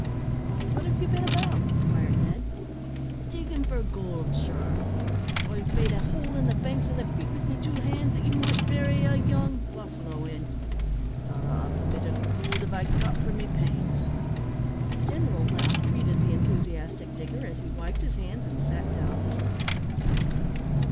"Why, what have you been about?" inquired Ned. "Diggin' for goold, sure. I've made a hole in the banks o' the creek with me two hands that ye might bury a young buffalo in, an' sorrow a bit o' goold have I got for me pains." A general laugh greeted the enthusiastic digger, as he wiped his hands and sat down to supper.